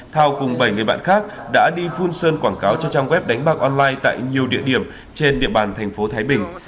thao cùng bảy người bạn khác đã đi phun sơn quảng cáo cho trang web đánh bạc online tại nhiều địa điểm trên địa bàn thành phố thái bình